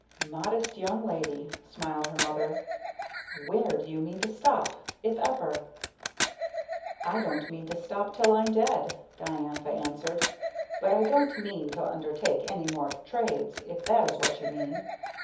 "Modest young lady," smiled her mother. "Where do you mean to stop if ever?" "I don't mean to stop till I'm dead," Diantha answered; "but I don't mean to undertake any more trades, if that is what you mean.